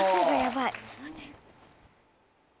ちょっと待って。